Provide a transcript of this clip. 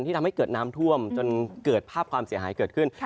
ทำให้เกิดน้ำท่วมจนเกิดภาพความเสียหายเกิดขึ้น